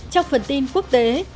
trong phần tin quốc tế